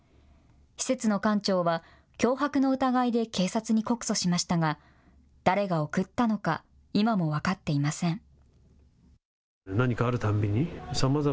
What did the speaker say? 施設の館長は脅迫の疑いで警察に告訴しましたが誰が送ったのか今も分かっていません。